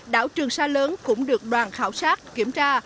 đảo trường sa lớn cũng được đoàn khảo sát kiểm tra